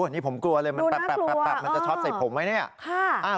นี่ผมกลัวเลยมันจะช็อตใส่ผมไหม